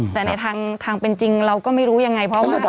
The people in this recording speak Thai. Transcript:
แต่ในทางเป็นจริงเราก็ไม่รู้ยังไงเพราะว่า